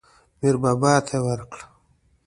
میر بابا ته یې ورکړ.